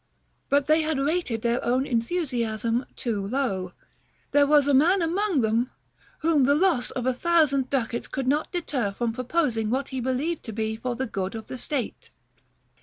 But they had rated their own enthusiasm too low: there was a man among them whom the loss of a thousand ducats could not deter from proposing what he believed to be for the good of the state.